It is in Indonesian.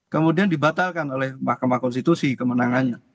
kemudian dibatalkan oleh mahkamah konstitusi kemenangannya